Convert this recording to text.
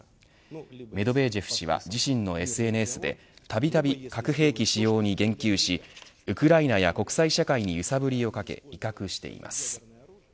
メドベージェフ氏は自身のＳＮＳでたびたび核兵器使用に言及しウクライナや国際社会に揺さぶりをかけ威嚇しています。